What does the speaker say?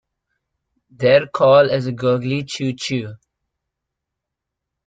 Their call is a gurgly "chew-chew".